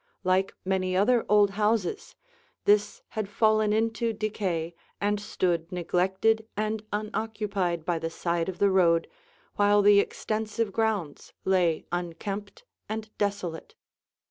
Like many other old houses, this had fallen into decay and stood neglected and unoccupied by the side of the road while the extensive grounds lay unkempt and desolate.